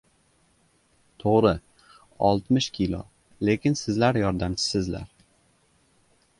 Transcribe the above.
— To‘g‘ri, oltmish kilo! Lekin sizlar yordamchisizlar!